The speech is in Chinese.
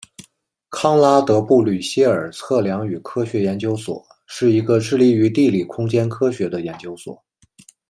康拉德布吕歇尔测量与科学研究所是一个致力于地理空间科学的研究所。